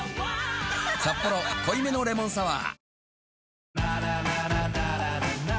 「サッポロ濃いめのレモンサワー」